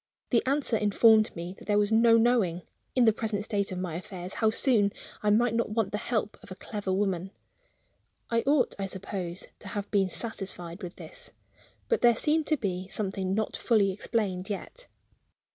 The answer informed me that there was no knowing, in the present state of my affairs, how soon I might not want the help of a clever woman. I ought, I suppose, to have been satisfied with this. But there seemed to be something not fully explained yet.